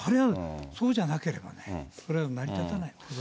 そうじゃなければね、それは成り立たないと思います。